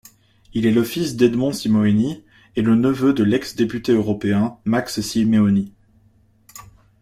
Il est le fils d'Edmond Simeoni et le neveu de l'ex-député européen Max Simeoni.